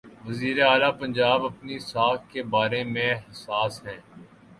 وزیر اعلی پنجاب اپنی ساکھ کے بارے میں حساس ہیں۔